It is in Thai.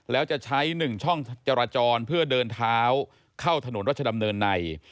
แล้วจะใช้๑ช่องจราจรเพื่อเดินเท้าเข้าถนนรัชดำเนินใน